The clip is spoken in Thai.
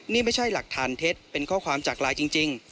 นี่ไม่ใช่หลักฐานเท็จเป็นข้อความจากไลน์จริง